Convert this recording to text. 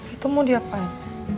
itu mau diapain